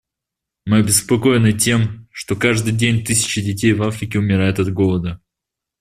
Мы обеспокоены тем, что каждый день тысячи детей в Африке умирают от голода.